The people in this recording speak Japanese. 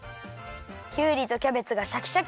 きゅうりとキャベツがシャキシャキ！